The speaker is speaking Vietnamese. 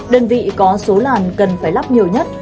đơn vị có số làn cần phải lắp nhiều nhất